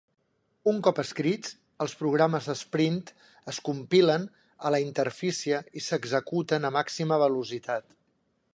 Un cop escrits, els programes Sprint es compilen a la interfície i s'executen a màxima velocitat.